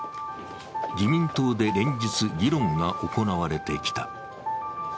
自民党で連日議論が行われてきた。